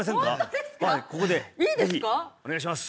ぜひお願いします